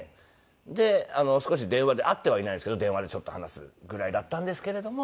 で少し電話で会ってはいないんですけど電話でちょっと話すぐらいだったんですけれども。